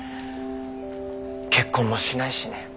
結婚もしないしね。